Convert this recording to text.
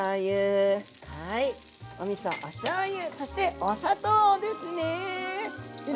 おみそおしょうゆそしてお砂糖ですね。